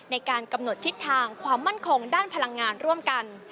ในการกำหนดทิศทางความมั่นคงด้านพลังงานร่วมกัน